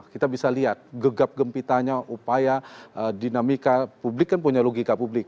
kita bisa lihat gegap gempitanya upaya dinamika publik kan punya logika publik